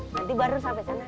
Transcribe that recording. nanti baru sampai sana